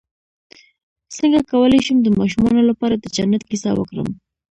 څنګه کولی شم د ماشومانو لپاره د جنت کیسه وکړم